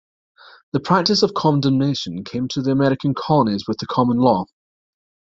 The practice of condemnation came to the American colonies with the common law.